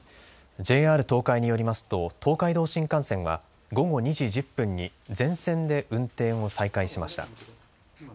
ＪＲ東海によりますと東海道新幹線は午後２時１０分に全線で運転を再開しました。